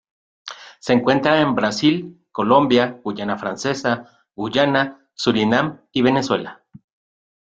Se encuentra en Brasil, Colombia, Guyana Francesa, Guyana, Surinam y Venezuela.